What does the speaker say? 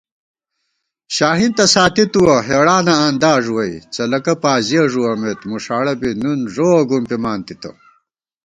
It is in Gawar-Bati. شاہین تہ ساتی تُوَہ ہېڑانہ آندا ݫُوَئی، څلَکہ پازِیَہ ݫُوَمېت مُݭاڑہ بی نُن ݫووَہ گُمپِمان تِتہ